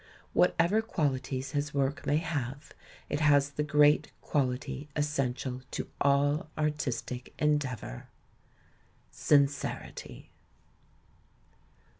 Whatever qualities his work may have, it has the great quahty essential to aU artistic endeavour — sincerity.